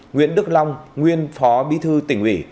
nguyễn đức long nguyên phó bí thư tỉnh uỷ